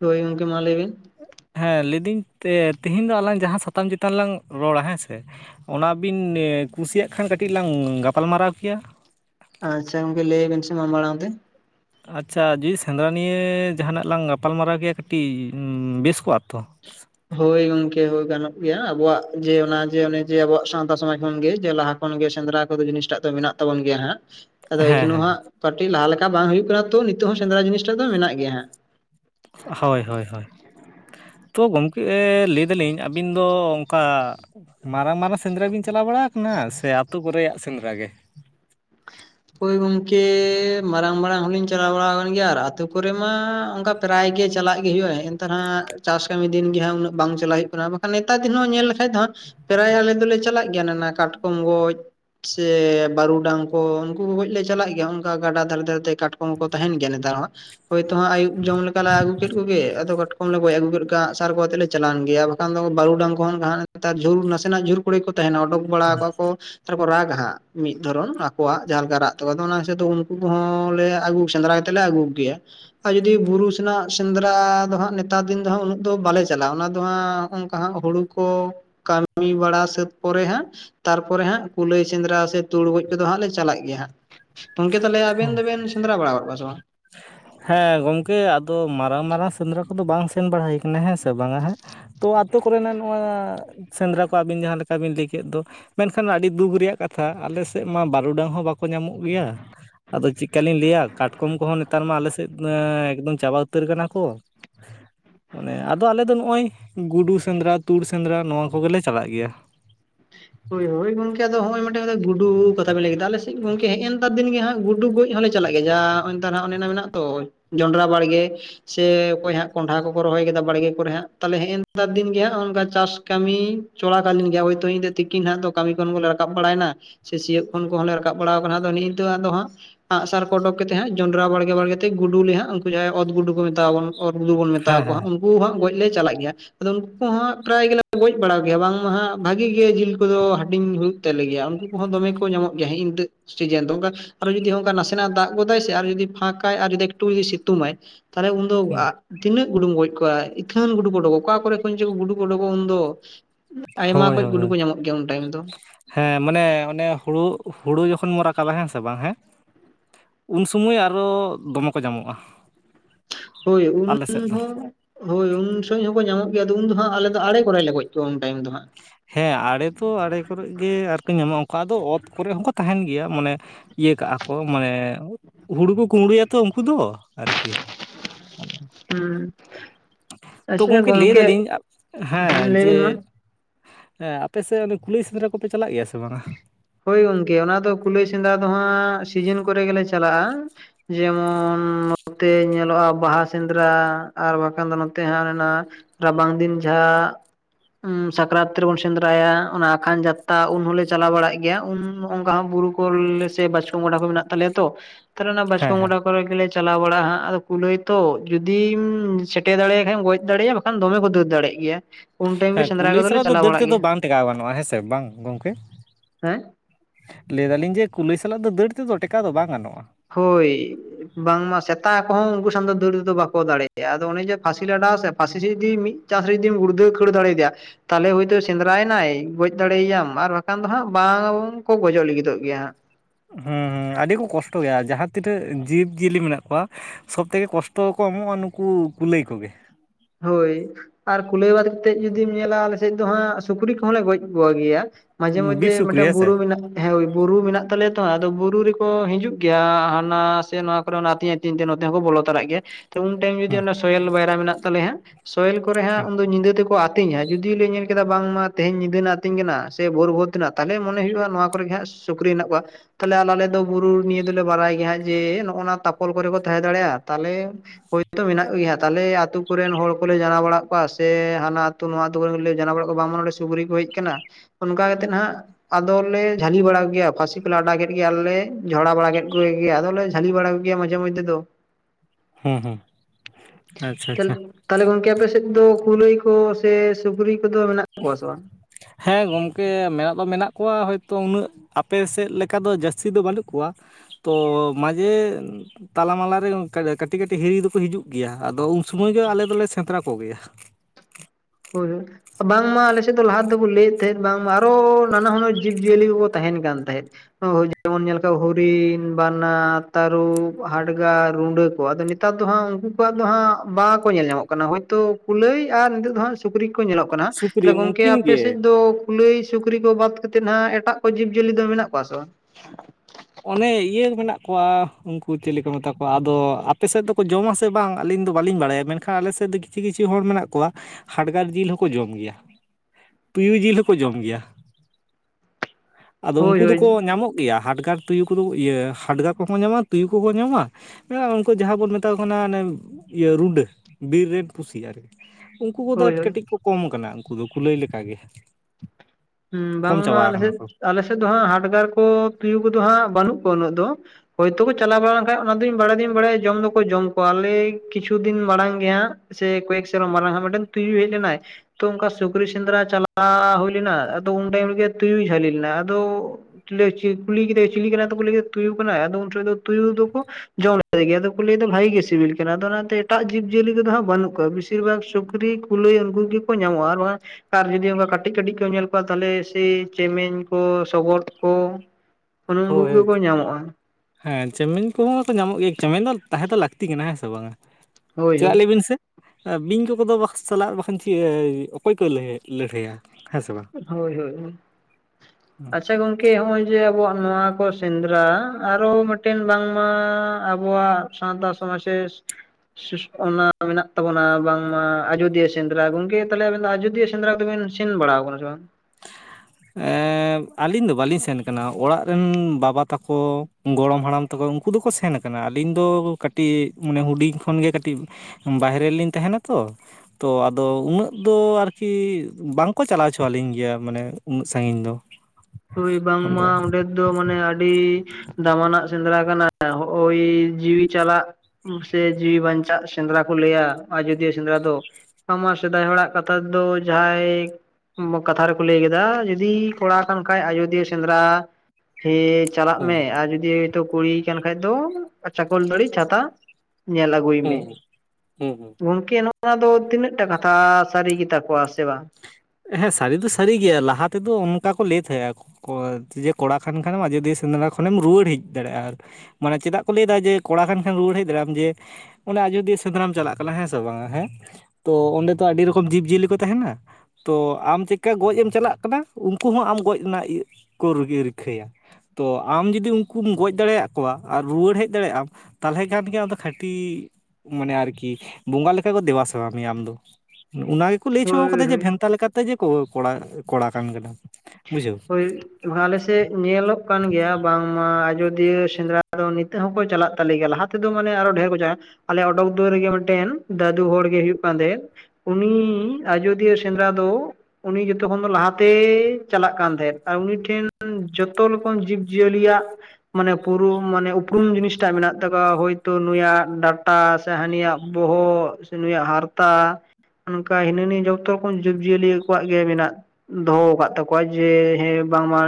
ᱦᱳᱭ ᱜᱚᱝᱠᱮ ᱢᱟ ᱞᱟᱹᱭ ᱵᱤᱱ᱾ ᱦᱮᱸ ᱞᱟᱹᱭᱫᱟᱹᱧ ᱛᱤᱦᱤᱧ ᱫᱚ ᱟᱞᱟᱝ ᱡᱟᱦᱟᱸ ᱥᱟᱛᱟᱢ ᱪᱮᱛᱟᱱ ᱞᱟᱝ ᱨᱚᱲᱟ ᱦᱮᱸ ᱥᱮ ᱚᱱᱟ ᱵᱤᱱ ᱠᱩᱥᱤᱭᱟᱜ ᱠᱷᱟᱱ ᱠᱟᱹᱴᱤᱡ ᱞᱟᱝ ᱜᱟᱯᱟᱞᱢᱟᱨᱟᱣ ᱠᱮᱭᱟ᱾ ᱟᱪᱪᱷᱟ ᱜᱚᱝᱠᱮ ᱞᱟᱹᱭ ᱟᱵᱮᱱ ᱥᱮ ᱢᱟ ᱢᱟᱲᱟᱝ ᱛᱮ᱾ ᱟᱪᱪᱷᱟ ᱡᱩᱫᱤ ᱥᱮᱸᱫᱽᱨᱟ ᱱᱤᱭᱟᱹ ᱡᱟᱦᱟᱱᱟᱜ ᱞᱟᱝ ᱜᱟᱯᱟᱞ ᱢᱟᱨᱟᱣ ᱠᱮᱭᱟ ᱠᱟᱹᱴᱤᱡ ᱵᱮᱥ ᱠᱚᱜᱼᱟ ᱛᱚ [unintelligible] ᱦᱳᱭ ᱜᱚᱝᱠᱮ ᱦᱳᱭ ᱜᱟᱱᱚᱜ ᱜᱮᱭᱟ ᱟᱵᱚᱣᱟᱜ ᱡᱮ ᱚᱱᱟ ᱡᱮ ᱚᱱᱮ ᱡᱮ ᱟᱵᱚᱣᱟᱜ ᱥᱟᱶᱛᱟ ᱥᱚᱢᱟᱡᱽ ᱠᱷᱚᱱ ᱜᱮ ᱡᱮ ᱞᱟᱦᱟ ᱛᱚᱠᱷᱚᱱ ᱜᱮ ᱥᱮᱸᱫᱽᱨᱟ ᱠᱚᱫᱚ ᱡᱤᱱᱤᱥ ᱴᱟᱜ ᱫᱚ ᱢᱮᱱᱟᱜ ᱛᱟᱵᱚᱱ ᱜᱮᱭᱟ ᱦᱟᱸᱜ ᱟᱫᱚ ᱦᱮᱸ ᱮᱠᱷᱳᱱᱳ ᱦᱮᱸ ᱦᱟᱸᱜ ᱠᱟᱹᱴᱤᱡ ᱞᱟᱦᱟ ᱞᱮᱠᱟ ᱵᱟᱝ ᱦᱩᱭᱩᱜ ᱠᱟᱱᱟ ᱛᱚ ᱱᱤᱛᱚᱜ ᱦᱚᱸ ᱥᱮᱸᱫᱽᱨᱟ ᱡᱤᱱᱤᱥ ᱴᱟᱜ ᱫᱚ ᱢᱮᱱᱟᱜ ᱜᱮᱭᱟ ᱦᱟᱸᱜ ᱦᱳᱭ ᱦᱳᱭ ᱦᱳᱭ ᱛᱳ ᱜᱚᱝᱠᱮ ᱞᱟᱹᱭ ᱫᱟ ᱞᱤᱧ ᱟᱹᱵᱤᱱ ᱫᱚ ᱚᱱᱠᱟ ᱢᱟᱨᱟᱝ ᱢᱟᱨᱟᱝ ᱥᱮᱸᱫᱽᱨᱟ ᱵᱤᱱ ᱪᱟᱞᱟᱣ ᱵᱟᱲᱟ ᱟᱠᱟᱱᱟ ᱥᱮ ᱟᱹᱛᱩ ᱠᱚᱨᱮ ᱥᱮᱸᱫᱽᱨᱟ ᱜᱮ ᱦᱳᱭ ᱜᱚᱝᱠᱮ ᱢᱟᱨᱟᱝ ᱢᱟᱨᱟᱝ ᱦᱚᱸ ᱞᱤᱧ ᱪᱟᱞᱟᱣ ᱵᱟᱲᱟ ᱟᱠᱟᱱ ᱜᱮᱭᱟ ᱟᱨ ᱟᱛᱳ ᱠᱚᱨᱮ ᱢᱟ ᱚᱱᱠᱟ ᱯᱨᱟᱭ ᱜᱮ ᱪᱟᱞᱟᱜ ᱜᱮ ᱦᱩᱭᱩᱜᱼᱟ ᱦᱮᱜᱮ ᱱᱮᱛᱟᱨ ᱦᱟᱸᱜ ᱪᱟᱥ ᱠᱟᱹᱢᱤ ᱫᱤᱱ ᱜᱮ ᱦᱟᱸᱜ ᱩᱱᱟᱹᱜ ᱵᱟᱝ ᱪᱟᱞᱟᱜ ᱦᱩᱭᱩᱜ ᱠᱟᱱᱟ ᱵᱟᱠᱷᱟᱱ ᱱᱮᱛᱟᱨ ᱫᱤᱱ ᱦᱚᱸ ᱧᱮᱞ ᱞᱮᱠᱷᱟᱱ ᱟᱞᱮᱫᱚᱦᱟᱜ ᱯᱨᱟᱭ ᱟᱞᱮ ᱫᱚᱞᱮ ᱪᱟᱞᱟᱜ [inaudible] ᱠᱟᱴᱠᱚᱢ ᱜᱚᱡ ᱥᱮ ᱵᱟᱹᱨᱩᱰᱟᱝ ᱠᱚ ᱩᱱᱠᱩ ᱜᱚᱡ ᱞᱮ ᱪᱟᱞᱟᱜ ᱜᱮᱭᱟ ᱚᱱᱠᱟ ᱜᱟᱰᱟ ᱫᱷᱟᱨᱮ ᱫᱷᱟᱨᱮ ᱛᱮ ᱠᱟᱴᱠᱚᱢ ᱠᱚ ᱛᱟᱦᱮᱱ ᱜᱮᱭᱟ ᱱᱮᱛᱟᱨ ᱦᱚᱸ ᱦᱳᱭ ᱛᱚ ᱟᱹᱭᱩᱵ ᱡᱚᱢ ᱞᱮᱠᱟᱞ ᱞᱮ ᱟᱹᱜᱩ ᱠᱮᱫ ᱠᱚᱜᱮ ᱟᱫᱚ ᱜᱚᱡ ᱟᱹᱜᱩ ᱠᱮᱫ ᱠᱚᱣᱟ ᱟᱸᱜ ᱥᱟᱨ ᱠᱚ ᱟᱛᱮ ᱞᱮ ᱪᱟᱞᱟᱣ ᱜᱮᱭᱟ ᱵᱟᱝ ᱠᱷᱟᱱ ᱫᱚ ᱵᱟᱹᱨᱩᱰᱟᱝ ᱠᱚ ᱱᱮᱛᱟᱨ ᱡᱷᱩᱲ ᱱᱟᱥᱮᱱᱟᱜ ᱡᱷᱩᱲ [inaudible] ᱠᱚ ᱛᱟᱦᱮᱱᱟ ᱩᱰᱩᱠ ᱵᱟᱲᱟ ᱟᱠᱚ ᱨᱟᱜᱟ ᱦᱟᱸᱜ ᱢᱤᱫ ᱫᱷᱚᱨᱚᱱ ᱟᱠᱚᱣᱟᱜ ᱡᱟᱦᱟᱸ ᱞᱮᱠᱟ ᱨᱟᱜ ᱛᱟᱠᱚ ᱛᱚ ᱚᱱᱟ ᱦᱤᱥᱟᱹᱵ ᱫᱚ ᱩᱱᱠᱩ ᱠᱚᱦᱚᱸᱞᱮ ᱟᱹᱜᱩ ᱥᱮᱸᱫᱽᱨᱟ ᱠᱟᱛᱮ ᱞᱮ ᱟᱹᱜᱩ ᱠᱚ ᱜᱮᱭᱟ ᱟᱨ ᱡᱩᱫᱤ ᱵᱩᱨᱩ ᱥᱮᱱᱟᱜ ᱥᱮᱸᱫᱽᱨᱟ ᱫᱚ ᱦᱟᱸᱜ ᱱᱮᱛᱟᱨ ᱫᱤᱱ ᱫᱚᱜ ᱩᱱᱟᱹᱜ ᱫᱚ ᱵᱟᱞᱮ ᱪᱟᱞᱟᱜᱼᱟ ᱚᱱᱟ ᱫᱚ ᱦᱟᱸᱜ ᱦᱟᱸᱜ ᱦᱳᱲᱳ ᱠᱚ ᱠᱟᱹᱢᱤ ᱵᱟᱲᱟ ᱥᱟᱹᱛ ᱯᱚᱨᱮ ᱦᱟᱸᱜ ᱛᱟᱨᱯᱚᱨᱮ ᱦᱟᱸᱜ ᱠᱩᱞᱟᱹᱭ ᱥᱮᱸᱫᱽᱨᱟ ᱥᱮ ᱛᱩᱲ ᱜᱚᱡ ᱠᱚᱫᱚ ᱦᱟᱸᱜ ᱞᱮ ᱪᱟᱞᱟᱜ ᱜᱮᱭᱟ ᱜᱚᱝᱠᱮ ᱛᱟᱦᱞᱮ ᱟᱵᱮᱱ ᱫᱚ ᱵᱮᱱ ᱥᱮᱸᱫᱽᱨᱟ ᱵᱟᱲᱟ ᱟᱠᱟᱫᱟ ᱠᱚᱣᱟ ᱥᱮ ᱵᱟᱝ ᱦᱮᱸ ᱜᱚᱝᱠᱮ ᱟᱫᱚ ᱢᱟᱨᱟᱝ ᱢᱟᱨᱟᱝ ᱥᱮᱸᱫᱽᱨᱟ ᱠᱚᱫᱚ ᱵᱟᱝ ᱥᱮᱱ ᱵᱟᱲ ᱟᱠᱟᱱᱟ ᱦᱮᱸ ᱥᱮ ᱵᱟᱝ-ᱟ ᱦᱮᱸ ᱛᱚ ᱟᱛᱳ ᱠᱚ ᱨᱮᱱᱟᱜ ᱱᱚᱣᱟ ᱥᱮᱸᱫᱽᱨᱟ ᱠᱚ ᱟᱹᱵᱤᱱ ᱡᱟᱦᱟᱸ ᱞᱮᱠᱟ ᱵᱤᱱ ᱞᱟᱹᱭ ᱠᱮᱫ ᱫᱚ ᱢᱮᱱᱠᱷᱟᱱ ᱟᱹᱰᱤ ᱫᱩᱠ ᱨᱮᱭᱟᱜ ᱠᱟᱛᱷᱟ ᱟᱞᱮ ᱥᱮᱫ ᱢᱟ ᱵᱟᱹᱨᱩᱰᱟᱝ ᱦᱚᱸ ᱵᱟᱠᱚ ᱧᱟᱢᱚᱜ ᱜᱮᱭᱟ ᱟᱫᱚ ᱪᱮᱠᱟᱞᱤᱧ ᱞᱟᱹᱭ-ᱟ ᱠᱟᱴᱠᱚᱢ ᱠᱚ ᱦᱚᱸ ᱱᱮᱛᱟᱨ ᱢᱟ ᱟᱞᱮ ᱥᱮᱫ ᱮᱠᱫᱚᱢ ᱪᱟᱵᱟ ᱩᱛᱟᱹᱨ ᱠᱟᱱᱟ ᱠᱚ ᱢᱟᱱᱮ ᱟᱫᱚ ᱟᱞᱮᱫ ᱫᱚ ᱱᱚᱜᱼᱚᱭ ᱜᱩᱰᱩ ᱥᱮᱸᱫᱽᱨᱟ ᱛᱩᱲ ᱥᱮᱸᱫᱽᱨᱟ ᱱᱚᱣᱟ ᱠᱚ ᱜᱮᱞᱮ ᱪᱟᱞᱟᱜ ᱜᱮᱭᱟ [unintelligible] ᱦᱳᱭ ᱦᱳᱭ ᱜᱚᱝᱠᱮ ᱟᱫᱚ ᱦᱚᱸᱜ-ᱚᱭ ᱢᱤᱫᱴᱮᱱ ᱜᱩᱰᱩ ᱠᱟᱛᱷᱟ ᱵᱮᱱ ᱞᱟᱹᱭ ᱠᱮᱫ ᱟᱞᱮ ᱥᱮᱫ ᱜᱚᱝᱠᱮ ᱦᱮᱜᱮ ᱱᱮᱛᱟᱨ ᱫᱤᱱ ᱜᱮ ᱜᱩᱰᱩ ᱜᱚᱡ ᱦᱚᱸᱞᱮ ᱪᱟᱞᱟᱜ ᱜᱮᱭᱟ ᱡᱟ ᱱᱚᱜ ᱱᱮᱛᱟᱨ ᱢᱮᱱᱟᱜ ᱫᱚ ᱡᱚᱸᱱᱰᱨᱟ ᱵᱟᱲᱜᱮ ᱥᱮ ᱚᱠᱚᱭ ᱦᱟᱸᱜ ᱠᱚᱸᱰᱷᱟ ᱠᱚᱠᱚ ᱨᱚᱦᱚᱭ ᱟᱠᱟᱫᱟ ᱵᱟᱲᱜᱮ ᱠᱚᱨᱮ ᱦᱟᱸᱜ ᱛᱟᱦᱞᱮ ᱦᱮᱜᱮ ᱱᱮᱛᱟᱨ ᱫᱤᱱ ᱜᱮ ᱦᱟᱸᱜ ᱪᱟᱥ ᱠᱟᱹᱢᱤ ᱪᱚᱞᱟ ᱠᱟᱞᱤᱱ ᱜᱮᱭᱟ ᱦᱳᱭ ᱛᱚ ᱛᱤᱠᱤᱱ ᱦᱟᱸᱜ ᱫᱚ ᱠᱟᱹᱢᱤ ᱠᱷᱚᱱ ᱜᱮᱞᱮ ᱨᱟᱠᱟᱵ ᱵᱟᱲᱟᱭ ᱱᱟ ᱥᱮ ᱥᱤᱭᱳᱜ ᱠᱷᱚᱱ ᱠᱚᱦᱚᱸ ᱞᱮ ᱨᱟᱠᱟᱵ ᱵᱟᱲᱟ ᱟᱠᱟᱱᱟ ᱟᱫᱚ ᱱᱤᱜᱤ ᱱᱤᱛᱚᱜ ᱦᱟᱸᱜ ᱟᱸᱜ ᱥᱟᱨ ᱠᱚ ᱳᱰᱳᱠ ᱠᱟᱛᱮᱜ ᱦᱟᱸᱜ ᱡᱚᱸᱰᱨᱟ ᱵᱟᱲᱜᱮ ᱵᱟᱲᱜᱮ ᱜᱩᱰᱩᱞ ᱞᱮ ᱦᱟᱸᱜ ᱩᱱᱠᱩ ᱡᱟᱦᱟᱸᱭ ᱚᱛ ᱜᱩᱰᱩ ᱠᱚ ᱢᱮᱛᱟ ᱚᱛ ᱜᱩᱰᱩ ᱵᱚᱱ ᱢᱮᱛᱟᱣ ᱦᱮᱸ ᱟᱠᱚᱣᱟ ᱦᱮᱸ ᱩᱱᱠᱩ ᱩᱱᱠᱩ ᱦᱟᱸᱜ ᱜᱚᱡ ᱞᱮ ᱪᱟᱞᱟᱜ ᱜᱮᱭᱟ ᱟᱫᱚ ᱩᱱᱠᱩ ᱦᱚᱸᱜ ᱯᱨᱟᱭ ᱜᱮᱞᱮ ᱜᱚᱡ ᱵᱟᱲᱟ ᱠᱚ ᱜᱮᱭᱟ ᱵᱟᱝ ᱢᱟ ᱦᱟᱸᱜ ᱵᱷᱟᱜᱤ ᱜᱮ ᱡᱤᱞ ᱠᱚᱫᱚ ᱦᱟᱹᱴᱤᱧ ᱦᱩᱭᱩᱜ ᱛᱟᱞᱮ ᱜᱮᱭᱟ ᱩᱱᱠᱩ ᱠᱚᱦᱚᱸ ᱫᱚᱢᱮ ᱠᱚ ᱧᱟᱢᱚᱜ ᱜᱮᱭᱟ ᱦᱮᱸ ᱦᱤᱸᱜᱤ ᱱᱤᱛᱳᱜ ᱥᱮᱡᱮ ᱟᱫᱚ ᱚᱱᱠᱟ ᱟᱨᱚ ᱡᱩᱫᱤ ᱦᱚᱱᱠᱟ ᱱᱟᱥᱮᱱᱟᱜ ᱫᱟᱜ ᱜᱚᱫᱟᱭ ᱥᱮ ᱟᱨ ᱡᱩᱫᱤ ᱯᱷᱟᱸᱠᱟᱭ ᱟᱨ ᱡᱩᱫᱤ ᱮᱠᱴᱩ ᱥᱤᱛᱩᱝ ᱟᱭ, ᱛᱟᱦᱚᱞᱮ ᱩᱱ ᱫᱚ ᱦᱮᱸ ᱟ ᱛᱤᱱᱟᱹᱜ ᱜᱩᱰᱩᱢ ᱜᱚᱡ ᱠᱚᱣᱟ ᱤᱛᱷᱟᱹᱱ ᱜᱩᱰᱩ ᱠᱚ ᱩᱰᱩᱠᱚᱜᱼᱟ ᱚᱠᱟ ᱠᱚᱨᱮ ᱠᱷᱚᱱ ᱫᱚ ᱜᱩᱰᱩ ᱠᱚ ᱩᱰᱩᱠᱚᱜᱼᱟ ᱩᱱᱫᱚ ᱟᱭᱢᱟ ᱦᱳᱭ ᱠᱚᱡ ᱦᱳᱭ ᱜᱩᱰᱩ ᱦᱳᱭ ᱠᱚ ᱧᱟᱢᱚᱜ ᱜᱮᱭᱟ ᱩᱱ ᱴᱟᱭᱤᱢ ᱫᱚ ᱦᱮᱸ ᱢᱟᱱᱮ ᱚᱱᱮ ᱦᱩᱲᱩ ᱦᱩᱲᱩ ᱡᱚᱠᱷᱚᱱ ᱵᱚᱱ ᱨᱟᱠᱟᱵᱟ ᱦᱮᱸ ᱥᱮ ᱵᱟᱝ ᱦᱮᱸ ᱩᱱ ᱥᱚᱢᱚᱭ ᱟᱨᱚ ᱫᱚᱢᱮ ᱠᱚ ᱧᱟᱢᱚᱜᱼᱟ ᱦᱳᱭ ᱩᱱ ᱟᱞᱮ ᱥᱮᱫ ᱫᱚ ᱦᱚᱸ ᱦᱳᱭ ᱩᱱ ᱥᱚᱢᱚᱭ ᱦᱚᱸᱠᱚ ᱧᱟᱢᱚᱜ ᱜᱮᱭᱟ, ᱟᱫᱚ ᱩᱱᱫᱚ ᱫᱚ ᱦᱟᱸᱜ ᱟᱞᱮ ᱫᱚ ᱟᱲᱮ ᱠᱚᱨᱮ ᱞᱮ ᱜᱚᱡ ᱠᱚᱣᱟ ᱩᱱ ᱴᱟᱭᱤᱢ ᱫᱚᱦᱟᱸᱜ᱾ ᱦᱮᱸ ᱟᱲᱮ ᱫᱚ ᱟᱲᱮ ᱠᱚᱨᱮᱜ ᱜᱮ ᱟᱨ ᱠᱤ ᱧᱟᱢᱚᱜᱟᱼᱟ ᱚᱱᱠᱟ ᱫᱚ ᱚᱛ ᱠᱚᱨᱮᱜ ᱦᱚᱸᱠᱚ ᱛᱟᱦᱮᱱ ᱜᱮᱭᱟ, ᱢᱟᱱᱮ ᱤᱭᱟᱹ ᱠᱟᱜᱼᱟ ᱠᱚ ᱢᱟᱱᱮ ᱦᱩᱲᱩ ᱠᱚ ᱠᱩᱢᱵᱽᱲᱩᱭᱟ ᱛᱚ ᱩᱱᱠᱩ ᱫᱚ ᱟᱨᱠᱤ᱾ ᱦᱩᱸ ᱛᱳ ᱟᱪᱪᱷᱟ ᱜᱚᱢᱠᱮ ᱞᱟᱹᱭ ᱜᱚᱝᱠᱮ ᱫᱟᱞᱤᱧ ᱦᱮᱸ ᱞᱟᱹᱭ ᱡᱮ ᱵᱤᱱ ᱢᱟ ᱦᱮᱸ ᱟᱯᱮ ᱥᱮᱫ ᱠᱩᱞᱟᱹᱭ ᱥᱮᱸᱫᱽᱨᱟ ᱠᱚᱯᱮ ᱪᱟᱞᱟᱜ ᱜᱮᱭᱟ ᱥᱮ ᱵᱟᱝᱟ? ᱦᱳᱭ ᱜᱚᱝᱠᱮ ᱚᱱᱟ ᱫᱚ ᱠᱩᱞᱟᱹᱭ ᱥᱮᱸᱫᱽᱨᱟ ᱫᱚᱦᱟᱸᱜ ᱥᱤᱡᱤᱱ ᱠᱚᱨᱮ ᱜᱮᱞᱮ ᱪᱟᱞᱟᱜᱼᱟ᱾ ᱡᱮᱢᱚᱱ ᱱᱚᱛᱮ ᱧᱮᱞᱚᱜᱼᱟ, ᱵᱟᱦᱟ ᱥᱮᱸᱫᱽᱨᱟ ᱟᱨ ᱵᱟᱝᱠᱷᱟᱱ ᱫᱚ ᱱᱚᱛᱮ ᱦᱟᱸᱜ ᱚᱱᱮ ᱚᱱᱟ, ᱨᱟᱵᱟᱝ ᱫᱤᱱ ᱡᱟᱦᱟᱸ ᱥᱟᱠᱨᱟᱛ ᱨᱮᱵᱚᱱ ᱥᱮᱸᱫᱽᱨᱟᱭᱟ ᱚᱱᱟ ᱟᱠᱷᱟᱱ ᱡᱟᱛᱟ ᱩᱱ ᱦᱚᱞᱮ ᱪᱟᱞᱟᱣ ᱵᱟᱲᱟᱜ ᱜᱮᱭᱟ ᱩᱱ ᱚᱱᱠᱟ ᱵᱩᱨᱩ ᱠᱚᱞᱮ ᱥᱮ ᱵᱟᱪᱠᱚᱢ ᱜᱚᱰᱟ ᱠᱚ ᱢᱮᱱᱟᱜ ᱛᱟᱞᱮᱭᱟ ᱛᱚ ᱛᱟᱦᱚᱞᱮ ᱚᱱᱟ ᱦᱮᱸ ᱵᱟᱪᱠᱚᱢ ᱦᱮᱸ ᱜᱚᱰᱟ ᱠᱚᱨᱮ ᱜᱮᱞᱮ ᱪᱟᱞᱟᱣ ᱵᱟᱲᱟᱜᱼᱟ ᱦᱟᱸᱜ ᱟᱫᱚ ᱠᱩᱞᱟᱹᱭ ᱛᱚ ᱡᱩᱫᱤᱢ ᱥᱮᱴᱮᱨ ᱫᱟᱲᱮᱭᱟᱭ ᱠᱷᱟᱱᱮᱢ ᱜᱚᱡ ᱫᱟᱲᱮᱭᱟᱜᱼᱟ ᱵᱟᱠᱷᱟᱱ ᱠᱦᱟᱱ ᱫᱚᱢᱮ ᱠᱚ ᱫᱟᱹᱲ ᱫᱟᱲᱮᱭᱟᱜ ᱜᱮᱭᱟ ᱩᱱ ᱴᱟᱭᱤᱢ ᱜᱮ ᱦᱮᱸ ᱥᱮᱸᱫᱽᱨᱟ ᱠᱩᱞᱟᱹᱭ ᱠᱚᱫᱚ ᱞᱮ ᱥᱟᱞᱟᱜ ᱫᱚ ᱪᱟᱞᱟᱣ ᱫᱟᱹᱲ ᱵᱟᱲᱟᱜ ᱛᱮᱫᱚ ᱜᱮᱭᱟ᱾ ᱵᱟᱝ ᱴᱮᱠᱟᱣ ᱜᱟᱱᱚᱜᱼᱟ ᱦᱮᱸ ᱥᱮ‌ ᱵᱟᱝ ᱜᱚᱝᱠᱮ? ᱦᱮᱸ? ᱞᱟᱹᱭ ᱫᱟᱞᱤᱧ ᱡᱮ ᱠᱩᱞᱟᱹᱭ ᱥᱟᱞᱟᱜ ᱫᱚ ᱫᱟᱹᱲ ᱛᱮᱫᱚ ᱴᱮᱠᱟᱣ ᱫᱚ ᱵᱟᱝ ᱜᱟᱱᱚᱜᱼᱟ᱾ ᱦᱳᱭ ᱵᱟᱝᱢᱟ ᱥᱮᱛᱟ ᱠᱚᱦᱚᱸ ᱩᱱᱠᱩ ᱥᱟᱶ ᱫᱚ ᱫᱟᱹᱲ ᱛᱮᱫᱚ ᱵᱟᱠᱚ ᱫᱟᱲᱮᱭᱟᱜᱼᱟ ᱟᱫᱚ ᱚᱱᱮ ᱡᱮ ᱯᱷᱟᱥᱤ ᱞᱮ ᱚᱞᱰᱟᱟᱣ ᱥᱮ ᱯᱷᱟᱥᱤ ᱡᱩᱫᱤ ᱢᱤᱫ ᱪᱟᱥ ᱨᱮ ᱡᱩᱫᱤᱢ ᱜᱩᱲᱫᱟᱹ ᱠᱷᱟᱹᱲ ᱫᱟᱲᱮ ᱭᱟᱫᱮᱭᱟ ᱛᱟᱞᱚᱞᱮ ᱦᱳᱭᱛᱳ ᱥᱮᱸᱫᱽᱨᱟᱭᱮᱱᱟᱭ ᱜᱚᱡ ᱫᱟᱲᱮᱭᱟᱭᱟᱢ ᱟᱨ ᱵᱟᱠᱷᱟᱱ ᱫᱚ ᱦᱟᱸᱜ ᱵᱟᱝ ᱠᱚ ᱜᱚᱡᱚᱜ ᱞᱟᱹᱜᱤᱫᱚᱜ ᱜᱮᱭᱟ ᱦᱟᱸᱜ᱾ ᱦᱩᱸ ᱦᱩᱸ ᱟᱹᱰᱤ ᱠᱚ ᱠᱚᱥᱴᱚ ᱜᱮᱭᱟ ᱡᱟᱦᱟᱸ ᱛᱤᱱᱟᱹᱜ ᱡᱤᱵᱽᱡᱤᱭᱟᱹᱞᱤ ᱢᱮᱱᱟᱜ ᱠᱚᱣᱟ ᱥᱚᱵᱛᱷᱮᱠᱮ ᱠᱚᱥᱴᱚ ᱠᱚ ᱮᱢᱚᱜᱼᱟ ᱱᱩᱠᱩ ᱠᱩᱞᱟᱹᱭ ᱠᱚᱜᱮ᱾ ᱦᱳᱭ ᱟᱨ ᱠᱩᱞᱟᱹᱭᱣ ᱵᱟᱫ ᱠᱟᱛᱮᱫ ᱡᱩᱫᱤᱢ ᱧᱮᱞᱟ ᱟᱞᱮ ᱥᱮᱡ ᱫᱚ ᱦᱟᱸᱜ ᱥᱩᱠᱨᱤ ᱠᱚᱦᱚᱸᱞᱮ ᱜᱚᱡ ᱠᱚ ᱜᱮᱭᱟ᱾ ᱢᱟᱡᱷᱮ ᱢᱚᱫᱫᱷᱮ ᱵᱤᱨ ᱥᱩᱠᱨᱤ ᱢᱤᱫᱴᱟᱝ ᱦᱮᱸ ᱥᱮ ᱵᱩᱨᱩ ᱢᱮᱱᱟᱜᱼᱟ ᱦᱮᱸ ᱦᱳᱭ ᱵᱩᱨᱩ ᱢᱮᱱᱟᱜ ᱛᱟᱞᱮᱭᱟ ᱛᱚ ᱟᱫᱚ ᱵᱩᱨᱩ ᱨᱮᱠᱚ ᱦᱤᱡᱩᱜ ᱜᱮᱭᱟ ᱦᱟᱱᱟ ᱥᱮ ᱱᱚᱣᱟ ᱚᱱᱟ ᱟᱛᱤᱧ ᱟᱛᱤᱧ ᱛᱮ ᱱᱚᱛᱮ ᱦᱚᱸᱠᱚ ᱵᱚᱞᱚ ᱛᱚᱨᱟᱜ ᱜᱮᱭᱟ᱾ ᱛᱚ ᱩᱱ ᱴᱟᱭᱤᱢ ᱡᱩᱫᱤ ᱦᱩᱸ ᱚᱱᱟ ᱥᱭᱮᱞ ᱵᱟᱭᱨᱟ ᱢᱮᱱᱟᱜ ᱛᱟᱞᱮᱭᱟ ᱦᱟᱸᱜ ᱥᱚᱭᱮᱞ ᱠᱚᱨᱮ ᱦᱟᱸᱜ ᱩᱱᱠᱩ ᱧᱤᱫᱟᱹ ᱛᱮᱠᱚ ᱟᱛ ᱟᱛᱤᱧ ᱦᱟ ᱡᱩᱫᱤ ᱞᱮ ᱧᱮᱞ ᱠᱮᱫᱟ ᱵᱟᱝᱢᱟ ᱛᱮᱦᱮᱧ ᱧᱤᱫᱟᱹ ᱨᱮᱱᱟᱜ ᱟᱹᱛᱤᱧ ᱠᱟᱱᱟ ᱥᱮ ᱵᱷᱳᱨ ᱵᱷᱳᱨ ᱛᱮᱱᱟᱜ ᱛᱟᱦᱚᱞᱮ ᱢᱚᱱᱮ ᱦᱩᱭᱩᱜᱼᱟ ᱱᱚᱣᱟ ᱠᱚᱨᱮᱜ ᱜᱮ ᱦᱟᱸᱜ ᱥᱩᱠᱨᱤ ᱦᱮᱱᱟᱜ ᱠᱚᱣᱟ᱾ ᱛᱟᱦᱞᱮ ᱟᱞᱮ ᱫᱚ ᱵᱩᱨᱩ ᱱᱤᱭᱟᱹ ᱫᱚᱞᱮ ᱵᱟᱲᱟᱭ ᱜᱮᱭᱟ ᱦᱟᱸᱜ ᱡᱮ ᱱᱚᱜᱼᱚ ᱱᱟᱣᱟ ᱛᱟᱯᱚᱞ ᱠᱚᱨᱮ ᱠᱚ ᱛᱟᱦᱮᱸ ᱫᱟᱲᱮᱭᱟᱜᱼᱟ᱾ ᱛᱟᱦᱚᱞᱮ ᱦᱳᱭᱛᱳ ᱢᱮᱱᱟᱜ ᱠᱚ ᱜᱮᱭᱟ ᱛᱟᱦᱚᱞᱮ ᱟᱛᱩ ᱠᱚᱨᱮᱱ ᱦᱚᱲ ᱠᱚᱞᱮ ᱡᱟᱱᱟᱣ ᱵᱟᱲᱟᱣᱟᱜ ᱠᱚᱣᱟ ᱥᱮ ᱦᱟᱱᱟ ᱟᱹᱛᱩ ᱱᱚᱣᱟ ᱟᱹᱛᱩ ᱠᱚᱨᱮᱱ ᱞᱮ ᱡᱟᱱᱟᱣ ᱵᱟᱲᱟᱜ ᱠᱚᱣᱟ ᱵᱟᱝᱢᱟ ᱱᱚᱰᱮ ᱥᱩᱨᱤ ᱠᱚ ᱦᱮᱡ ᱟᱠᱟᱱᱟ᱾ ᱚᱱᱠᱟ ᱠᱟᱛᱮᱫ ᱦᱟᱸᱜ ᱟᱫᱚᱞᱮ ᱡᱷᱟᱹᱞᱤ ᱵᱟᱲᱟᱠᱚᱜᱮᱭᱟ ᱯᱟᱹᱥᱤ ᱠᱚᱞᱮ ᱟᱰᱟᱣ ᱠᱮᱫ ᱜᱮ ᱟᱨᱞᱮ ᱡᱷᱚᱲᱟ ᱵᱟᱲᱟ ᱠᱮᱫ ᱠᱚᱜᱮᱭᱟ ᱟᱫᱚᱞᱮ ᱡᱷᱟᱹᱞᱤ ᱵᱟᱲᱟ ᱠᱚᱜᱮᱭᱟ ᱢᱟᱡᱷᱮ ᱢᱚᱫᱽᱫᱷᱮ ᱫᱚ᱾ ᱦᱩᱸ ᱦᱩᱸ ᱟᱪᱪᱷᱟ ᱟᱪᱪᱷᱟ ᱛᱟᱦᱞᱮ ᱜᱚᱝᱠᱮ ᱟᱯᱮ ᱥᱮᱫ ᱫᱚ ᱠᱩᱞᱟᱹᱭ ᱠᱚ ᱥᱮ ᱥᱩᱠᱨᱤ ᱠᱚᱫᱚ ᱢᱮᱱᱟᱜ ᱠᱚᱣᱟ ᱥᱮ ᱵᱟᱝ? ᱦᱮᱸ ᱜᱚᱢᱠᱮ ᱢᱮᱱᱟᱜ ᱫᱚ ᱢᱮᱱᱟᱜ ᱠᱚᱣᱟ ᱦᱳᱭᱛᱳ ᱩᱱᱟᱹᱜ ᱟᱯᱮ ᱥᱮᱫ ᱞᱮᱠᱟ ᱫᱚ ᱡᱟᱹᱥᱛᱤ ᱫᱚ ᱵᱟᱹᱱᱩᱜ ᱠᱚᱣᱟ ᱛᱚ ᱢᱟᱡᱷᱮ ᱛᱟᱞᱟ ᱢᱟᱞᱟ ᱨᱮ ᱠᱟᱹᱴᱤᱡ ᱠᱟᱹᱴᱤᱡ ᱦᱤᱨᱤ ᱫᱚᱠᱚ ᱦᱤᱡᱩᱜ ᱜᱮᱭᱟ ᱟᱫᱚ ᱩᱱ ᱥᱚᱢᱚᱭ ᱜᱮ ᱟᱞᱮ ᱫᱚᱞᱮ ᱥᱮᱸᱫᱽᱨᱟ ᱠᱚᱜᱮᱭᱟ᱾ ᱦᱳᱭ ᱦᱳᱭ ᱵᱟᱝᱢᱟ ᱟᱞᱮ ᱥᱮᱫ ᱫᱚ ᱞᱟᱦᱟᱮᱫᱠᱚ ᱞᱟᱹᱭᱮᱫ ᱛᱟᱦᱮᱸᱫ ᱵᱟᱝᱢᱟ ᱟᱨᱚ ᱱᱟᱱᱟᱦᱩᱱᱟᱨ ᱡᱤᱵᱡᱤᱭᱟᱹᱞᱤ ᱠᱚᱠᱚ ᱛᱟᱦᱮᱱ ᱠᱟᱱ ᱛᱟᱦᱮᱸᱫ᱾ ᱦᱳᱭ ᱡᱮᱢᱚᱱ ᱧᱮᱞᱠᱟᱜ ᱦᱚᱨᱤᱱ ᱵᱟᱱᱟ ᱛᱟᱹᱨᱩᱵ ᱦᱟᱰᱜᱟᱨ ᱨᱩᱸᱰᱟᱹ ᱠᱚ ᱟᱫᱚ ᱱᱤᱛ ᱱᱮᱛᱟᱨ ᱫᱚ ᱦᱟᱸᱜ ᱩᱱᱠᱩ ᱠᱚᱣᱟᱜ ᱫᱚ ᱦᱟᱸᱜ ᱵᱟᱠᱚ ᱧᱮᱞ ᱧᱟᱢᱚᱜ ᱠᱟᱱᱟ ᱦᱳᱭᱛᱳ ᱠᱩᱞᱟᱹᱭ ᱟᱨ ᱱᱤᱛᱚᱜ ᱫᱚ ᱦᱟᱸᱜ᱾ ᱥᱩᱠᱨᱤ ᱠᱚ ᱧᱮᱞᱚᱜ ᱠᱟᱱᱟ ᱥᱩᱠᱨᱤ ᱛᱟᱞᱮ ᱜᱚᱝᱠᱮ ᱱᱩᱠᱤᱱ ᱟᱯᱮ ᱜᱮ ᱥᱮᱫ ᱫᱚ ᱠᱩᱞᱟᱹᱭ ᱥᱩᱠᱨᱤ ᱠᱚ ᱵᱟᱫ ᱠᱟᱛᱮᱫ ᱦᱟᱸᱜ ᱮᱴᱟᱜ ᱠᱚ ᱡᱤᱵᱽᱼᱡᱤᱭᱟᱹᱞᱤ ᱫᱚ ᱢᱮᱱᱟᱜ ᱠᱚᱣᱟ ᱥᱮ ᱵᱟᱝ? ᱚᱱᱮ ᱤᱭᱟᱹ ᱢᱮᱱᱟᱜ ᱠᱚᱣᱟ ᱩᱱᱠᱩ ᱪᱮᱞᱮ ᱠᱚ ᱢᱮᱛᱟ ᱠᱚᱣᱟ ᱟᱫᱚ ᱟᱯᱮ ᱥᱮᱫ ᱫᱚᱠᱚ ᱡᱚᱢᱟᱥᱮ ᱛᱮ ᱵᱟᱝ ᱟᱹᱞᱤᱧ ᱫᱚ ᱵᱟᱹᱞᱤᱧ ᱵᱟᱲᱟᱭᱟ ᱢᱮᱱᱠᱷᱟᱱ ᱟᱞᱮ ᱥᱮᱫ ᱠᱤᱪᱷᱤ ᱠᱤᱪᱷᱩ ᱦᱚᱲ ᱢᱮᱱᱟᱜ ᱠᱚᱣᱟ ᱾ ᱦᱟᱰᱜᱟᱨ ᱡᱤᱞ ᱦᱚᱸᱠᱚ ᱡᱚᱢ ᱜᱮᱭᱟ ᱛᱩᱭᱩ ᱡᱤᱞ ᱦᱚᱸᱠᱚ ᱡᱚᱢ ᱜᱮᱭᱟ ᱾ ᱟᱫᱚ ᱦᱳᱭ ᱩᱱᱠᱩ ᱦᱳᱭ ᱫᱚᱠᱚ ᱧᱟᱢᱚᱜ ᱜᱮᱭᱟ ᱦᱟᱰᱜᱟᱨ ᱛᱩᱭᱩ ᱠᱚᱫᱚ ᱤᱭᱟᱹ ᱦᱟᱰᱜᱟᱨ ᱠᱚᱦᱚ ᱧᱟᱢᱟ ᱛᱩᱭᱩ ᱠᱚᱠᱚ ᱧᱟᱢᱟ ᱾ ᱩᱱᱠᱩ ᱡᱟᱦᱟᱸ ᱵᱚᱱ ᱢᱮᱛᱟᱣ ᱠᱟᱱᱟ ᱟᱱᱮ ᱤᱭᱟᱹ ᱨᱩᱰᱟᱹ ᱵᱤᱨ ᱨᱮᱱ ᱯᱩᱥᱤ ᱟᱨᱠᱤ ᱾ ᱩᱱᱠᱩ ᱠᱚᱫᱚ ᱦᱳᱭ ᱦᱳᱭ ᱠᱟᱹᱴᱤᱡ ᱠᱚ ᱠᱚᱢ ᱠᱟᱱᱟ ᱩᱱᱠᱩ ᱫᱚ ᱠᱩᱞᱟᱹᱭ ᱞᱮᱠᱟ ᱜᱮ ᱾ ᱦᱩᱸ ᱵᱟᱝᱢᱟ ᱟᱞᱮᱥᱮᱫ ᱟᱞᱮ ᱥᱮᱫ ᱫᱚ ᱦᱟᱸᱜ ᱦᱟᱴᱜᱟᱨ ᱠᱚ ᱛᱩᱭᱩ ᱠᱚᱫᱚ ᱦᱟᱸᱜ ᱵᱟᱹᱱᱩᱜ ᱠᱚᱣᱟ ᱩᱱᱟᱹᱜ ᱫᱚ ᱾ ᱦᱳᱭᱛᱳ ᱠᱚ ᱪᱟᱞᱟᱣ ᱵᱟᱲᱟ ᱞᱮᱱ ᱠᱷᱟᱱ ᱚᱱᱟᱫᱚᱧ ᱵᱟᱲᱟᱭ ᱫᱩᱧ ᱵᱟᱲᱟᱭᱟ ᱡᱚᱢ ᱫᱚᱠᱚ ᱡᱚᱢ ᱠᱚᱣᱟ ᱟᱞᱮ ᱠᱤᱪᱷᱩ ᱫᱤᱱ ᱢᱟᱲᱟᱝ ᱜᱮ ᱦᱟᱸᱜ ᱾ ᱥᱮ ᱠᱚᱭᱮᱠ ᱥᱮᱨᱢᱟ ᱢᱟᱨᱟᱝ ᱢᱤᱫᱴᱟᱝ ᱛᱩᱭᱩᱭ ᱦᱮᱡ ᱞᱮᱱᱟᱭ ᱛᱚ ᱚᱱᱠᱟ ᱥᱩᱠᱨᱤ ᱥᱮᱸᱫᱽᱨᱟ ᱪᱟᱞᱟᱣ ᱦᱩᱭ ᱞᱮᱱᱟ ᱾ ᱫᱚ ᱩᱱ ᱴᱟᱭᱤᱢ ᱨᱮᱜᱮ ᱛᱩᱭᱩᱭ ᱡᱷᱟᱞᱤ ᱞᱮᱱᱟᱭ ᱟᱫᱚ ᱠᱩᱞᱤ ᱠᱮᱫᱮ ᱪᱤᱞᱤ ᱠᱟᱱᱟᱭ ᱟᱫᱚ ᱠᱚ ᱞᱟᱹᱭ ᱠᱮᱫᱟ ᱛᱩᱭᱩ ᱠᱟᱱᱟᱭ ᱟᱫᱚ ᱩᱱ ᱨᱮᱫᱚ ᱛᱩᱭᱩ ᱫᱚᱠᱚ ᱡᱚᱢ ᱞᱮ ᱟᱫᱚ ᱠᱚ ᱞᱟᱹᱭᱫᱟ ᱵᱷᱟᱜᱤ ᱜᱮ ᱥᱤᱵᱤᱞ ᱠᱟᱱᱟ ᱟᱫᱚ ᱚᱱᱟᱛᱮ ᱮᱴᱟᱜ ᱡᱤᱵᱽᱼᱡᱤᱭᱟᱹᱞᱤ ᱠᱚᱫᱚ ᱦᱟᱸᱜ ᱵᱟᱹᱱᱩᱜ ᱠᱚᱣᱟ ᱵᱮᱥᱤᱨ ᱵᱷᱟᱠ ᱥᱩᱠᱨᱤ ᱠᱩᱞᱟᱹᱭ ᱩᱱᱠᱩ ᱜᱮᱠᱚ ᱧᱟᱢᱚᱜᱼᱟ ᱡᱩᱫᱤ ᱚᱱᱠᱟ ᱠᱟᱹᱴᱤᱡ ᱠᱟᱹᱴᱤᱡ ᱠᱚ ᱧᱮᱞ ᱵᱟ ᱛᱟᱞᱮ ᱥᱮ ᱪᱮᱢᱮᱧ ᱠᱚ ᱥᱚᱜᱚᱴ ᱠᱚ ᱩᱱ ᱩᱱᱠᱩᱜᱮ ᱦᱳᱭ ᱦᱳᱭ ᱠᱚ ᱧᱟᱢᱚᱜᱼᱟ ᱾ ᱦᱮᱸ ᱪᱮᱢᱮᱱ ᱠᱚᱦᱚᱸᱠᱚ ᱧᱟᱢᱚᱜ ᱜᱮᱭᱟ ᱪᱮᱢᱮᱱ ᱫᱚ ᱛᱟᱦᱮᱸ ᱫᱚ ᱞᱟᱹᱠᱛᱤ ᱠᱟᱱᱟ ᱦᱮᱸ ᱥᱮ ᱵᱟᱝᱼᱟ ᱦᱳᱭ ᱪᱟᱜ ᱦᱳᱭ ᱞᱮᱭ ᱵᱤᱱ ᱥᱮ ᱵᱤᱧ ᱠᱚᱫᱚ ᱵᱟᱠᱥ ᱥᱟᱞᱟᱜ ᱵᱟᱠᱷᱟᱱ ᱪᱮᱜ ᱚᱠᱚᱭ ᱠᱚ ᱞᱮᱦᱮᱜ ᱞᱟᱹᱭᱦᱟᱹᱭᱟ ᱦᱮᱸ ᱥᱮ ᱵᱟᱝ ᱾ ᱦᱳᱭ ᱦᱳᱭ [unintelligible] ᱟᱪᱪᱷᱟ ᱜᱚᱝᱠᱮ ᱦᱚᱜᱼᱚᱭ ᱡᱮ ᱟᱵᱚᱣᱟᱜ ᱱᱚᱣᱟ ᱠᱚ ᱥᱮᱸᱫᱽᱨᱟ ᱟᱨᱚ ᱢᱤᱫᱴᱮᱱ ᱵᱟᱝᱢᱟ ᱟᱵᱚᱣᱟᱜ ᱥᱟᱣᱛᱟ ᱥᱚᱢᱟ ᱥᱮᱥ ᱚᱱᱟ ᱢᱮᱱᱟᱜ ᱛᱟᱵᱚᱱᱟ ᱵᱟᱝᱢᱟ ᱟᱡᱚᱫᱤᱭᱟᱹ ᱥᱮᱸᱫᱽᱨᱟ ᱜᱚᱝᱠᱮ ᱛᱟᱞᱮ ᱟᱵᱤᱱ ᱫᱚ ᱟᱡᱚᱫᱤᱭᱟᱹ ᱥᱮᱸᱫᱽᱨᱟ ᱫᱚᱵᱤᱱ ᱪᱷᱤᱱ ᱵᱟᱲᱟᱣ ᱠᱟᱱᱟ ᱥᱮ ᱵᱟᱝ ᱟᱹᱞᱤᱧ ᱫᱚ ᱵᱟᱞᱤᱧ ᱥᱮᱱ ᱠᱟᱱᱟ ᱚᱲᱟᱜ ᱨᱮᱱ ᱵᱟᱵᱟ ᱛᱟᱠᱚ᱾ ᱜᱚᱲᱚᱢ ᱦᱟᱲᱟᱢ ᱛᱟᱠᱚ ᱩᱱᱠᱩ ᱫᱚᱠᱚ ᱥᱮᱱ ᱟᱠᱟᱱᱟ ᱟᱹᱞᱤᱧ ᱫᱚ ᱠᱟᱹᱴᱤᱡ ᱢᱟᱱᱮ ᱦᱩᱰᱤᱧ ᱠᱷᱚᱱᱜᱮ ᱠᱟᱹᱴᱤᱡ ᱵᱟᱦᱨᱮ ᱨᱮᱞᱤᱧ ᱛᱟᱦᱮᱱᱟ ᱛᱚ ᱛᱚ ᱟᱫᱚ ᱩᱱᱟᱹᱜ ᱫᱚ ᱟᱨᱠᱤ ᱵᱟᱝᱠᱚ ᱪᱟᱞᱟᱣ ᱦᱚᱪᱚᱟᱞᱤᱧ ᱜᱮᱭᱟ ᱢᱟᱱᱮ ᱩᱱᱟᱹᱜ ᱥᱟᱺᱜᱤᱧ ᱫᱚ ᱦᱳᱭ ᱵᱟᱝ ᱟᱫᱚ ᱢᱟ ᱚᱸᱰᱮ ᱫᱚ ᱢᱟᱱᱮ ᱟᱹᱰᱤ ᱫᱟᱢᱟᱱᱟᱜ ᱥᱮᱸᱫᱽᱨᱟ ᱠᱟᱱᱟ ᱳᱭ ᱡᱤᱣᱤ ᱪᱟᱞᱟᱜ ᱥᱮ ᱡᱤᱣᱤ ᱵᱟᱧᱪᱟᱜ ᱥᱮᱸᱫᱽᱨᱟ ᱠᱚ ᱞᱟᱹᱭᱟ ᱟᱡᱚᱫᱤᱭᱟᱹ ᱥᱮᱸᱫᱽᱨᱟ ᱫᱚ ᱾ ᱛᱟᱢᱟ ᱥᱮᱫᱟᱭ ᱦᱚᱲᱟᱜ ᱠᱟᱛᱷᱟ ᱛᱮᱫᱚ ᱡᱟᱦᱟᱸᱭ ᱠᱟᱛᱷᱟ ᱨᱮᱠᱚ ᱞᱟᱹᱭ ᱠᱮᱫᱟ ᱡᱩᱫᱤ ᱠᱚᱲᱟ ᱠᱟᱱ ᱠᱷᱟᱡ ᱟᱭᱚᱫᱤᱭᱟᱹ ᱥᱮᱸᱫᱽᱨᱟ ᱦᱮ ᱪᱟᱞᱟᱜ ᱦᱩᱸ ᱢᱮ ᱟᱨ ᱡᱩᱫᱤ ᱛᱳ ᱠᱩᱲᱤᱭ ᱠᱟᱱ ᱠᱷᱟᱱ ᱫᱚ ᱪᱟᱠᱚᱞ ᱛᱟᱲᱮ ᱪᱷᱟᱛᱟ ᱧᱮᱞ ᱦᱳᱭ ᱦᱩᱸ ᱢᱮ ᱦᱩᱸ ᱦᱩᱸ ᱜᱚᱢᱠᱮ ᱱᱚᱣᱟ ᱫᱚ ᱛᱤᱱᱟᱹᱜ ᱴᱟ ᱠᱟᱛᱷᱟ ᱥᱟᱹᱨᱤ ᱜᱮᱛᱟ ᱠᱚᱣᱟ ᱥᱮ ᱵᱟᱝ ᱦᱮᱸ ᱥᱟᱹᱨᱤ ᱫᱚ ᱥᱟᱹᱨᱤ ᱜᱮᱭᱟ ᱞᱟᱦᱟ ᱛᱮᱫᱚ ᱚᱱᱠᱟ ᱠᱚ ᱞᱟᱹᱭ ᱛᱟᱦᱮᱸᱜ ᱠᱚᱲᱟ ᱠᱷᱟᱱ ᱠᱷᱟᱱᱮᱢ ᱟᱡᱚᱫᱤᱭᱟᱹ ᱥᱮᱸᱫᱽᱨᱟ ᱠᱷᱚᱱᱮᱢ ᱨᱩᱣᱟᱹᱲ ᱦᱮᱡ ᱫᱟᱲᱮᱭᱟᱜᱼᱟ ᱟᱨ ᱢᱟᱱᱮ ᱪᱮᱫᱟᱜ ᱠᱚ ᱞᱟᱹᱭ ᱫᱟ ᱡᱮ ᱠᱚᱲᱟ ᱠᱷᱟᱱ ᱨᱩᱣᱟᱹᱲ ᱦᱮᱡ ᱫᱟᱲᱮᱼᱟᱢ ᱡᱮ ᱚᱱᱟ ᱟᱡᱚᱫᱤᱭᱟᱹ ᱥᱮᱸᱫᱽᱨᱟᱢ ᱪᱟᱞᱟᱜ ᱠᱟᱱᱟ ᱦᱮᱸ ᱥᱮ ᱵᱟᱝᱼᱟ ᱦᱮᱸ ᱛᱚ ᱚᱸᱰᱮ ᱫᱚ ᱟᱹᱰᱤ ᱨᱚᱠᱚᱢ ᱡᱤᱵᱽ ᱡᱤᱭᱟᱹᱞᱤ ᱠᱚ ᱛᱟᱦᱮᱱᱟ ᱾ ᱛᱚ ᱟᱢ ᱪᱤᱠᱟᱹ ᱜᱚᱡ ᱮᱢ ᱪᱟᱞᱟᱜ ᱠᱟᱱᱟ ᱩᱱᱠᱩ ᱦᱚᱸ ᱟᱢ ᱜᱚᱡ ᱠᱚ ᱨᱤᱠᱟᱹᱭᱟ ᱛᱚ ᱟᱢ ᱡᱩᱫᱤ ᱩᱱᱠᱩᱢ ᱜᱚᱡ ᱫᱟᱲᱮᱭᱟᱜ ᱠᱚᱣᱟ ᱟᱨ ᱨᱩᱣᱟᱹᱲ ᱦᱮᱡ ᱫᱟᱲᱮᱭᱟᱜ ᱟᱢ ᱾ ᱛᱟᱞᱦᱮ ᱠᱷᱟᱱ ᱜᱮ ᱟᱢᱫᱚ ᱠᱷᱟᱹᱴᱤ ᱢᱟᱱᱮ ᱟᱨᱠᱤ ᱵᱚᱸᱜᱟ ᱞᱮᱠᱟ ᱠᱚ ᱫᱮᱵᱟ ᱥᱮᱵᱟ ᱢᱮᱭᱟ ᱟᱢᱫᱚ ᱚᱱᱟ ᱜᱮᱠᱚ ᱞᱟᱹᱭ ᱦᱚᱪᱚ ᱦᱳᱭ ᱠᱟᱫᱟ ᱡᱮ ᱦᱳᱭ ᱵᱷᱮᱱᱛᱟ ᱞᱮᱠᱟᱛᱮ ᱡᱮ ᱠᱳ ᱠᱚᱲᱟ ᱠᱟᱱ ᱠᱟᱱᱟᱢ ᱾ ᱦᱳᱭ ᱟᱞᱮᱥᱮᱫ ᱧᱮᱞᱚᱜ ᱠᱟᱱ ᱜᱮᱭᱟ ᱵᱟᱝᱢᱟ ᱟᱡᱚᱫᱤᱭᱟᱹ ᱥᱮᱸᱫᱽᱨᱟ ᱫᱚ ᱱᱤᱛᱚᱜ ᱦᱚᱸᱠᱚ ᱪᱟᱞᱟᱜ ᱛᱟᱞᱮ ᱜᱮᱭᱟ ᱞᱟᱦᱟ ᱛᱮ ᱫᱚ ᱢᱟᱱᱮ ᱟᱨᱚ ᱰᱷᱮᱨ ᱠᱚ ᱪᱟ ᱟᱞᱮ ᱚᱰᱚᱠ ᱩᱛᱟᱹᱨ ᱨᱮᱜᱮ ᱢᱤᱫᱴᱮᱱ ᱫᱟᱫᱩ ᱦᱚᱲ ᱜᱮ ᱦᱩᱭᱩᱜ ᱠᱟᱱ ᱛᱟᱦᱮᱸᱫ ᱾ ᱩᱱᱤ ᱟᱡᱳᱫᱤᱭᱟᱹ ᱥᱮᱸᱫᱽᱨᱟ ᱫᱚ ᱩᱱᱤ ᱡᱚᱛᱚ ᱠᱷᱚᱱ ᱫᱚ ᱞᱟᱦᱟᱛᱮ ᱪᱟᱞᱟᱜ ᱛᱟᱦᱮᱸᱫ ᱟᱨ ᱩᱱᱤ ᱴᱷᱮᱱ ᱡᱚᱛᱚ ᱨᱚᱠᱚᱢ ᱡᱤᱵᱡᱤᱭᱟᱹᱞᱤᱭᱟᱜ ᱢᱟᱱᱮ ᱯᱩᱨᱩᱢ ᱢᱟᱱᱮ ᱩᱯᱨᱩᱢ ᱡᱤᱱᱤᱥᱴᱟᱜ ᱢᱮᱱᱟᱜ ᱛᱟᱠᱚᱣᱟ ᱦᱳᱭᱛᱚ ᱱᱩᱭᱟᱜ ᱰᱟᱴᱟ ᱥᱮ ᱦᱟᱹᱱᱤᱭᱟᱜ ᱵᱚᱦᱚᱜ ᱥᱮ ᱱᱩᱭᱟᱜ ᱦᱟᱨᱛᱟ ᱚᱱᱠᱟ ᱦᱤᱱᱟᱹᱱᱤᱭᱟᱹ ᱡᱚᱛᱚ ᱨᱚᱠᱚᱢ ᱡᱤᱵᱽᱡᱤᱭᱟᱹᱞᱤ ᱠᱚᱣᱟᱜ ᱜᱮ ᱢᱮᱱᱟᱜ ᱫᱚᱦᱚ ᱟᱠᱟᱫ ᱛᱟᱠᱚᱣᱟ ᱾ ᱚᱠᱚᱭ ᱡᱮ ᱦᱮᱸ ᱵᱟᱝ ᱢᱟ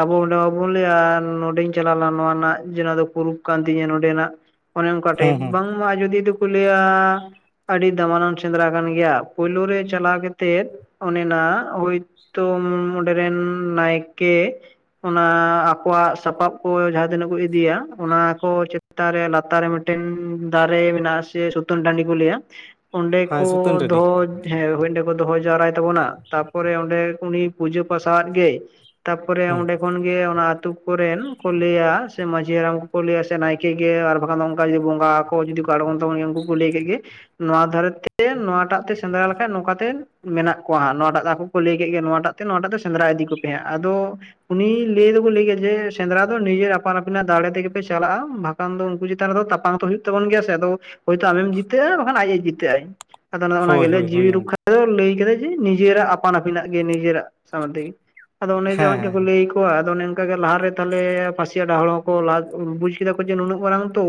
ᱟᱵᱚ ᱚᱸᱰᱮ ᱵᱟᱵᱚᱱ ᱞᱟᱹᱭᱟ ᱱᱚᱰᱮᱧ ᱪᱟᱞᱟᱣ ᱞᱮᱱᱟ ᱱᱚᱣᱟ ᱨᱮᱱᱟᱜ ᱡᱮᱱᱟ ᱫᱚ ᱯᱩᱨᱩᱵ ᱠᱟᱱ ᱛᱤᱧᱟᱹ ᱱᱚᱸᱰᱮᱱᱟᱜ ᱾ ᱚᱱᱮ ᱚᱱᱠᱟ ᱦᱮᱸ ᱴᱟᱭᱤᱯ ᱦᱮᱸ ᱵᱟᱝ ᱢᱟ ᱡᱩᱫᱤ ᱫᱚᱠᱚ ᱞᱟᱹᱭᱟᱻ ᱟᱹᱰᱤ ᱫᱟᱢᱟᱱᱟᱱ ᱥᱮᱸᱫᱽᱨᱟ ᱠᱟᱱ ᱜᱮᱭᱟ ᱾ ᱯᱩᱭᱞᱳ ᱨᱮ ᱪᱟᱞᱟᱣ ᱠᱟᱛᱮᱫ ᱚᱱᱮ ᱱᱟᱜ ᱦᱳᱭ ᱛᱚ ᱚᱸᱰᱮ ᱨᱮᱱ ᱱᱟᱭᱠᱮ ᱚᱱᱟ ᱟᱠᱚᱣᱟᱜ ᱥᱟᱯᱟᱵᱽ ᱠᱚ ᱡᱟᱦᱟᱸ ᱛᱤᱱᱟᱹᱜ ᱠᱚ ᱤᱫᱤᱭᱟ ᱚᱱᱟ ᱠᱚ ᱪᱮᱼ ᱼᱛᱟᱱ ᱨᱮ ᱞᱟᱛᱟᱨ ᱨᱮ ᱢᱤᱫᱴᱮᱱ ᱫᱟᱨᱮ ᱢᱮᱱᱟᱜᱼᱟ ᱟ ᱥᱮ ᱥᱩᱛᱟᱹᱱ ᱴᱟᱺᱰᱤ ᱠᱚ ᱞᱟᱹᱭᱟ ᱾ ᱚᱸᱰᱮ ᱦᱮᱸ ᱠᱚ ᱥᱩᱛᱟᱹᱱ ᱴᱟᱺᱰᱤ ᱫᱚᱦᱚ ᱾ ᱦᱮᱸ ᱦᱳᱭ ᱚᱸᱰᱮ ᱠᱚ ᱫᱚᱦᱚ ᱡᱟᱣᱨᱟᱭ ᱛᱟᱵᱚᱱᱟ, ᱛᱟᱯᱚᱨᱮ ᱚᱸᱰᱮ ᱩᱱᱤ ᱯᱩᱡᱟᱹ ᱯᱟᱥᱟ ᱟᱫ ᱜᱮ ᱾ ᱛᱟᱯᱚᱨᱮ ᱦᱮᱸ ᱚᱸᱰᱮ ᱠᱷᱚᱱ ᱜᱮ ᱚᱱᱟ ᱟᱹᱛᱩ ᱠᱚᱨᱮᱱ ᱠᱚ ᱞᱟᱹᱭᱟ ᱥᱮ ᱢᱟᱡᱷᱤ ᱦᱟᱲᱟᱢ ᱠᱚ ᱞᱟᱹᱭᱟ ᱥᱮ ᱱᱟᱭᱠᱮ ᱜᱮ ᱟᱨ ᱵᱟᱠᱷᱟᱱ ᱫᱚ ᱚᱱᱠᱟ ᱡᱮ ᱵᱚᱸᱜᱟ ᱠᱚ ᱡᱩᱫᱤ ᱠᱚ ᱟᱬᱜᱚᱱ ᱛᱟᱵᱚᱱ ᱜᱮᱭᱟ ᱩᱱᱠᱩ ᱠᱚ ᱞᱟᱹᱭ ᱠᱮᱫ ᱜᱮ ᱾ ᱱᱚᱣᱟ ᱫᱷᱟᱨᱮ ᱛᱮ ᱱᱚᱣᱟᱴᱟᱜ ᱛᱮ ᱥᱮᱸᱫᱽᱨᱟ ᱞᱮᱠᱷᱟᱡ ᱱᱚᱝᱠᱟ ᱛᱮ ᱢᱮᱱᱟᱜ ᱠᱚᱣᱟ ᱦᱟᱸᱜ ᱾ ᱱᱚᱣᱟᱴᱟᱜ ᱫᱚ ᱟᱠᱚ ᱠᱚ ᱞᱟᱹᱭ ᱠᱮᱫ ᱜᱮ ᱱᱚᱣᱟᱴᱟᱜ ᱛᱮ ᱱᱚᱣᱟᱴᱟᱜ ᱛᱮ ᱥᱮᱸᱫᱽᱨᱟ ᱤᱫᱤ ᱠᱚᱯᱮ ᱦᱟᱸᱜ ᱾ ᱟᱫᱚ ᱩᱱᱤ ᱞᱟᱹᱭ ᱫᱚᱠᱚ ᱞᱟᱹᱭ ᱜᱮᱭᱟ ᱡᱮ ᱥᱮᱸᱫᱽᱨᱟ ᱫᱚ ᱱᱤᱡᱮᱨ ᱟᱯᱟᱱ ᱟᱹᱯᱤᱱᱟᱜ ᱫᱟᱲᱮ ᱛᱮ ᱜᱮᱯᱮ ᱪᱟᱞᱟᱜᱼᱟ ᱾ ᱵᱟᱠᱷᱟᱱ ᱫᱚ ᱩᱱᱠᱩ ᱪᱮᱛᱟᱱ ᱨᱮᱫᱚ ᱛᱟᱯᱟᱢ ᱛᱚ ᱦᱩᱭᱩᱜ ᱛᱟᱵᱚᱱ ᱜᱮᱭᱟ ᱥᱮ, ᱟᱫᱚ ᱦᱚᱭᱛᱳ ᱟᱢᱮᱢ ᱡᱤᱛᱟᱹᱜᱼᱟ ᱵᱟᱠᱷᱟᱱ ᱟᱡ ᱮ ᱡᱤᱛᱟᱹᱜ ᱟᱭ ᱾ ᱟᱫᱚ ᱱᱚᱜᱼᱱᱟ ᱦᱳᱭ ᱜᱮᱞᱮ ᱦᱳᱭ ᱦᱳᱭ ᱡᱤᱣᱤ ᱜᱚᱝᱠᱮ ᱨᱚᱠᱠᱷᱟ ᱞᱟᱹᱭ ᱠᱮᱫᱟᱭ ᱡᱮ ᱱᱤᱡᱮᱨᱟᱜ ᱟᱯᱟᱱ ᱟᱹᱯᱤᱱᱟᱜ ᱜᱮ ᱱᱤᱡᱮᱨᱟᱜ ᱾ ᱥᱟᱶᱫᱤ ᱟᱫᱚ ᱚᱱᱮ ᱡᱮ ᱦᱮᱸ ᱚᱱᱠᱟ ᱦᱮᱸ ᱠᱚ ᱦᱮᱸ ᱞᱟᱹᱭ ᱟᱠᱚᱣᱟ ᱟᱫᱚ ᱚᱱᱮ ᱚᱱᱠᱟ ᱜᱮ ᱞᱟᱦᱟ ᱨᱮ ᱛᱟᱦᱚᱞᱮ ᱯᱟᱹᱥᱤ ᱟᱰᱟ ᱦᱚᱲ ᱦᱚᱸᱠᱚ ᱞᱟᱦᱟ ᱵᱩᱡ ᱠᱮᱫᱟ ᱠᱚ ᱡᱮ ᱱᱩᱱᱟᱹᱜ ᱢᱟᱨᱟᱝ ᱛᱚ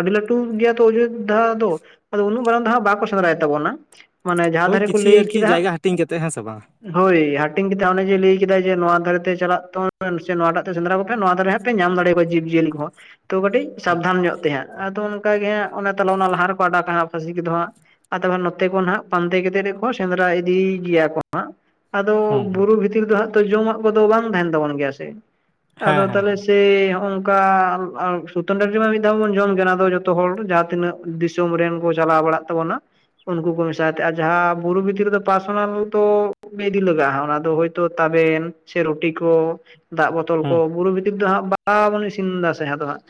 ᱟᱹᱰᱤ ᱞᱟᱹᱼ ᱼᱴᱩ ᱜᱮᱭᱟ ᱛᱚ ᱚᱡᱳᱫᱽᱫᱷᱟ ᱫᱚ ᱩᱱᱟᱹᱜ ᱢᱟᱨᱟᱝ ᱫᱚ ᱦᱟᱸᱜ ᱵᱟᱠᱚ ᱥᱮᱸᱫᱽᱨᱟᱭ ᱛᱟᱵᱚᱱᱟ ᱾ ᱢᱟᱱᱮ ᱡᱟᱦᱟᱸ ᱦᱳᱭ ᱫᱷᱟᱨᱮ ᱠᱚ ᱠᱤᱪᱷᱤ ᱞᱟᱹᱭ ᱟᱨᱠᱤ ᱠᱮᱫᱟ ᱡᱟᱭᱜᱟ ᱦᱟᱹᱴᱤᱧ ᱠᱟᱛᱮᱜ ᱦᱮᱸ ᱥᱮ ᱵᱟᱝ ᱦᱟᱸᱜ ᱦᱳᱭ ᱾ ᱦᱟᱹᱴᱤᱧ ᱠᱮᱫᱟᱭ ᱮ ᱡᱮ ᱞᱟᱹᱭ ᱠᱮᱫᱟᱭ ᱡᱮ ᱱᱚᱣᱟ ᱫᱷᱟᱨᱮ ᱛᱮ ᱪᱟᱞᱟᱜ ᱛᱟᱵᱚᱱ ᱥᱮ ᱱᱚᱣᱟ ᱴᱟᱜ ᱛᱮ ᱥᱮᱸᱫᱽᱨᱟ ᱠᱚᱯᱮ ᱱᱚᱣᱟ ᱫᱷᱟᱨᱮ ᱦᱟᱸᱜ ᱯᱮ ᱧᱟᱢ ᱫᱟᱲᱮᱭᱟ ᱠᱚᱣᱟ ᱡᱤᱵᱽ ᱡᱤᱭᱟᱹᱞᱤ ᱠᱚ ᱾ ᱛᱚ ᱠᱟᱹᱴᱤᱡ ᱦᱮᱸ ᱥᱟᱵᱫᱷᱟᱱ ᱧᱚᱜ ᱛᱮ ᱦᱟᱸᱜ, ᱟᱫᱚ ᱚᱱᱠᱟ ᱜᱮ ᱦᱟᱸᱜ ᱛᱟᱦᱞᱮ ᱚᱱᱟ ᱞᱟᱦᱟ ᱨᱮᱠᱚ ᱟᱰᱟᱣ ᱠᱟᱜ ᱦᱟᱸᱜ ᱯᱟᱹᱥᱤ ᱠᱚ ᱦᱟᱸᱜ ᱾ ᱟᱫᱚ ᱱᱚᱛᱮ ᱠᱷᱚᱱ ᱦᱟᱸᱜ ᱯᱟᱱᱛᱮ ᱠᱟᱛᱮ ᱜᱮ ᱠᱚ ᱥᱮᱸᱫᱽᱨᱟ ᱤᱫᱤᱭ ᱜᱮᱭᱟ ᱠᱚ ᱦᱟᱸᱜ ᱟᱫᱚ ᱾ ᱦᱮᱸ ᱵᱩᱨᱩ ᱵᱷᱤᱛᱤᱨ ᱫᱚ ᱦᱟᱸᱜ ᱡᱚᱢᱟᱜ ᱠᱚᱫᱚ ᱵᱟᱝ ᱛᱟᱦᱮᱱ ᱛᱟᱵᱚᱱ ᱜᱮᱭᱟ ᱥᱮ ᱾ ᱟᱫᱚ ᱦᱮᱸ ᱛᱟᱦᱚᱞᱮ ᱦᱮᱸ ᱥᱮ ᱦᱚᱸᱜᱼᱚᱝᱠᱟ ᱥᱩᱛᱟᱹᱱ ᱴᱟᱺᱰᱤᱨᱮ ᱢᱟ ᱢᱤᱫ ᱫᱷᱟᱣ ᱵᱚᱱ ᱡᱚᱢ ᱜᱮ ᱚᱱᱟ ᱫᱚ ᱡᱚᱛᱚ ᱦᱚᱲ ᱡᱟᱦᱟᱸ ᱛᱤᱱᱟᱹᱜ ᱫᱤᱥᱚᱢ ᱨᱮᱱ ᱠᱚ ᱪᱟᱞᱟᱣ ᱵᱟᱲᱟᱜ ᱛᱟᱵᱚᱱᱟ ᱾ ᱩᱱᱠᱩ ᱠᱚ ᱢᱮᱥᱟ ᱟᱛᱮ ᱟᱨ ᱡᱟᱦᱟᱸ ᱵᱩᱨᱩ ᱵᱷᱤᱛᱤᱨ ᱨᱮᱫᱚ ᱯᱟᱨᱥᱚᱱᱟᱞ ᱛᱚ ᱤᱫᱤ ᱜᱮ ᱞᱟᱜᱟᱜᱼᱟ ᱚᱱᱟ ᱦᱳᱭᱛᱚ ᱛᱟᱵᱮᱱ ᱥᱮ ᱨᱩᱴᱤ ᱠᱚ ᱫᱟᱜ ᱵᱳᱛᱚᱞ ᱠᱚ ᱵᱩᱨᱩ ᱵᱷᱤᱛᱤᱨ ᱫᱚ ᱦᱟᱸᱜ ᱵᱟᱼᱵᱚᱱ ᱤᱥᱤᱱ ᱮᱫᱟ ᱥᱮ ᱟᱫᱚ ᱦᱟᱸᱜ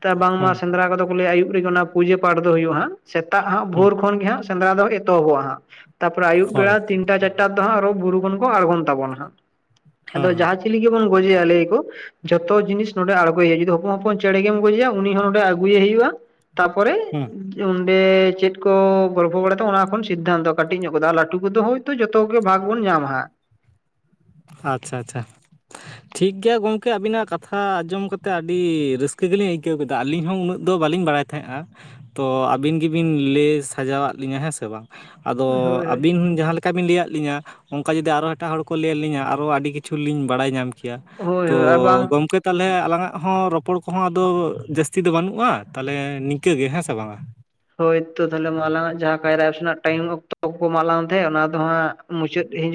ᱛᱚ ᱵᱟᱝ ᱢᱟ ᱦᱮᱸ ᱥᱮᱸᱫᱽᱨᱟ ᱠᱚᱫᱚ ᱠᱚ ᱞᱟᱹᱭᱟ ᱟᱹᱭᱩᱵ ᱨᱮᱜᱮ ᱚᱱᱟ ᱯᱩᱡᱟᱹ ᱯᱟᱴ ᱫᱚ ᱦᱩᱭᱩᱜᱼᱟ ᱦᱟᱸᱜ ᱥᱮᱛᱟᱜ ᱦᱟᱸᱜ ᱦᱮᱸ ᱵᱷᱳᱨ ᱠᱷᱚᱱ ᱜᱮ ᱦᱟᱸᱜ ᱥᱮᱸᱫᱽᱨᱟ ᱫᱚ ᱮᱛᱚᱦᱚᱵᱚᱜᱼᱟ ᱦᱟᱸᱜ ᱛᱟᱯᱚᱨᱮ ᱟᱹᱭᱩᱵ ᱦᱳᱭ ᱵᱮᱲᱟ ᱛᱤᱱᱼ ᱼᱴᱟ ᱪᱟᱨᱴᱟ ᱫᱚ ᱦᱟᱸᱜ ᱟᱨᱚ ᱵᱩᱨᱩ ᱠᱷᱚᱱ ᱠᱚ ᱟᱬᱜᱚᱱ ᱛᱟᱵᱚᱱ ᱦᱟᱸᱜ ᱾ ᱟᱫᱚ ᱦᱮᱸ ᱡᱟᱦᱟᱸᱭ ᱪᱤᱞᱤ ᱜᱮ ᱵᱚᱱ ᱜᱚᱡᱮᱭᱟ ᱞᱟᱹᱭᱟ ᱠᱚ ᱡᱚᱛᱚ ᱡᱤᱱᱤᱥ ᱱᱚᱰᱮ ᱟᱬᱜᱚᱭᱮ ᱦᱩᱭᱩᱜᱼᱟ ᱾ ᱡᱩᱫᱤ ᱦᱚᱯᱚᱱ ᱦᱚᱯᱚᱱ ᱪᱮᱬᱮ ᱜᱮᱢ ᱜᱚᱡᱮᱭᱟ ᱩᱱᱤ ᱦᱚᱸ ᱱᱚᱰᱮ ᱟᱹᱜᱩᱭᱮ ᱦᱩᱭᱩᱜᱼᱟ ᱾ ᱛᱟᱯᱚᱨᱮ ᱦᱮᱸ ᱚᱸᱰᱮ ᱪᱮᱫ ᱠᱚ ᱜᱚᱞᱯᱚ ᱵᱟᱲᱟᱭ ᱛᱮ ᱚᱱᱟ ᱠᱷᱚᱱ ᱥᱤᱫᱽᱫᱷᱟᱱᱛᱚ ᱠᱟᱹᱴᱤᱡ ᱧᱚᱜ ᱠᱚ ᱫᱚ ᱞᱟᱹᱴᱩ ᱠᱚ ᱫᱚ ᱦᱚᱭᱛᱳ ᱡᱚᱛᱚ ᱜᱮ ᱵᱷᱟᱜᱽ ᱵᱚᱱ ᱧᱟᱢᱟ ᱦᱟᱸᱜ ᱾ ᱟᱪᱪᱷᱟ ᱟᱪᱪᱷᱟ ᱾ ᱴᱷᱤᱠ ᱜᱮᱭᱟ ᱜᱚᱝᱠᱮ ᱟᱵᱤᱱᱟᱜ ᱠᱟᱛᱷᱟ ᱟᱸᱡᱚᱢ ᱠᱟ ᱠᱟᱛᱮᱫ ᱟᱹᱰᱤ ᱨᱟᱹᱥᱠᱟᱹ ᱜᱮᱞᱤᱧ ᱟᱹᱭᱠᱟᱹᱣ ᱠᱮᱫᱟ ᱾ ᱟᱹᱞᱤᱧ ᱦᱚᱸ ᱩᱱᱟᱹᱜ ᱫᱚ ᱵᱟᱹᱞᱤᱧ ᱵᱟᱲᱟᱭ ᱛᱟᱦᱮᱸᱜᱼᱟ ᱾ ᱛᱚ ᱟᱹᱵᱤᱱ ᱜᱮ ᱵᱤᱱ ᱞᱟᱹᱭ ᱥᱟᱡᱟᱣᱟᱫ ᱞᱤᱧᱟ ᱦᱮᱸ ᱥᱮ ᱵᱟᱝ ᱾ ᱟᱫᱚ ᱦᱳᱭ ᱦᱳᱭ ᱟᱹᱵᱤᱱ ᱡᱟᱦᱟᱸ ᱞᱮᱠᱟ ᱵᱤᱱ ᱞᱟᱹᱭᱟᱫ ᱞᱤᱧᱟᱹ ᱚᱱᱠᱟ ᱡᱩᱫᱤ ᱟᱨᱚ ᱮᱴᱟᱜ ᱦᱚᱲ ᱠᱚ ᱞᱟᱹᱭ ᱟᱞᱤᱧᱟ ᱟᱨᱚ ᱟᱹᱰᱤ ᱠᱤᱪᱷᱩ ᱞᱤᱧ ᱵᱟᱲᱟᱭ ᱧᱟᱢ ᱠᱮᱭᱟ ᱾ ᱦᱳᱭ ᱛᱚ ᱦᱳᱭ ᱟᱨ ᱵᱟᱝ ᱜᱚᱝᱠᱮ ᱛᱟᱦᱚᱞᱮ ᱟᱞᱟᱝ ᱟᱜ ᱦᱚᱸ ᱨᱚᱯᱚᱲ ᱠᱚᱦᱚᱸ ᱟᱫᱚ ᱡᱟᱹᱥᱛᱤ ᱫᱚ ᱵᱟᱹᱱᱩᱜᱼᱟ ᱛᱟᱦᱚᱞᱮ ᱱᱤᱝᱠᱟᱹ ᱜᱮ ᱦᱮᱸ ᱥᱮ ᱵᱟᱝᱟ ᱾ ᱦᱳᱭ ᱛᱚ ᱛᱟᱦᱚᱞᱮ ᱢᱟ ᱟᱞᱟᱝ ᱟᱜ ᱡᱟᱦᱟᱸ ᱠᱟᱭᱨᱟ ᱥᱮᱱᱟᱜ ᱴᱟᱭᱤᱢ ᱚᱠᱛᱚ ᱠᱚ ᱮᱢᱟᱫ ᱞᱟᱝ ᱛᱟᱦᱮᱸᱫ ᱚᱱᱟ ᱫᱚ ᱦᱟᱸᱜ ᱢᱩᱪᱟᱹᱫ ᱦᱤᱡᱩᱜ